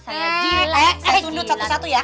saya sundut satu satu ya